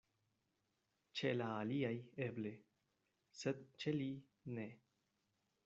Ĉe la aliaj, eble; sed ĉe li, ne.